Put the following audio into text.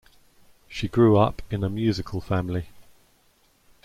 She grew up in a musical family.